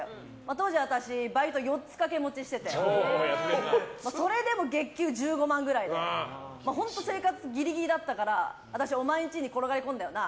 当時、私バイト４つ掛け持ちしててそれでも月給１５万ぐらいで本当生活ギリギリだったから私、お前んちに転がり込んだよな。